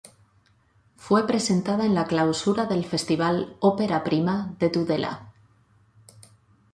Fue presentada en la clausura del Festival Ópera Prima de Tudela.